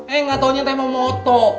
eh gatau nya teh mau moto